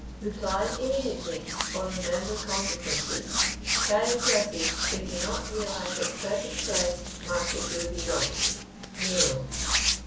Reply immediately, or remember consequences. Time presses, if do not realize at present price, market will be lost. NERO.